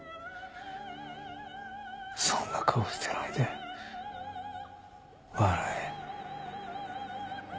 そんな顔してないで笑え。